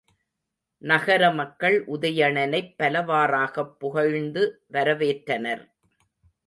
நகரமக்கள் உதயணனைப் பலவாறாகப் புகழ்ந்து வரவேற்றனர்.